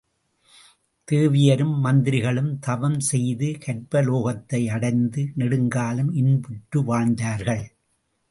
தேவியரும் மந்திரிகளும் தவம் செய்து கற்பலோகத்தை அடைந்து நெடுங்காலம் இன்புற்று வாழ்ந்தார்கள்.